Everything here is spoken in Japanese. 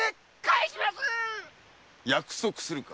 約束するか？